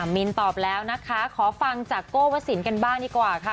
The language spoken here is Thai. มินตอบแล้วนะคะขอฟังจากโก้วสินกันบ้างดีกว่าค่ะ